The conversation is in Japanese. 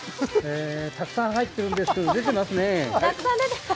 たくさん生えているんですけど、出ていますね。